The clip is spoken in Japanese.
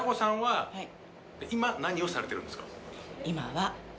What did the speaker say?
今は。